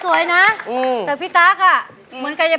สนุกกันพอขอบคุณมากครับ